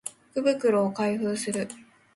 福袋を開封する